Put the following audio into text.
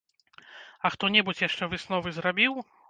А хто-небудзь яшчэ высновы зрабіў?